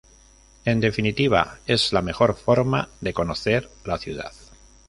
En definitiva, es la mejor forma de conocer la ciudad.